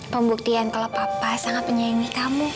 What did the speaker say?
pembuktian kalau papa sangat menyayangi kamu